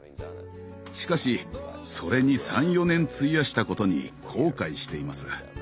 しかしそれに３４年費やしたことに後悔しています。